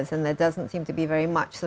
ini telah berlaku selama berapa tahun